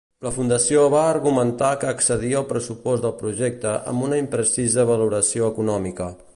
La Fundació va argumentar que excedia el pressupost del projecte amb una imprecisa valoració econòmica.